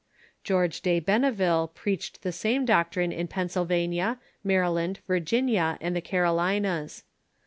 George de Benneville preached the same doctrine in Pennsylvania, Maryland, Virginia, and the Carolinas.